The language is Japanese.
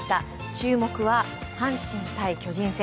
注目は、阪神対巨人戦。